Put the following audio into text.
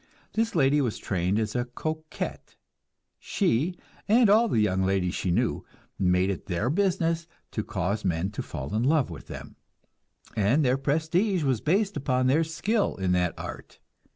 This lady was trained as a "coquette"; she, and all the young ladies she knew, made it their business to cause men to fall in love with them, and their prestige was based upon their skill in that art.